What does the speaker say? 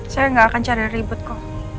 saya gak akan cari ribut kok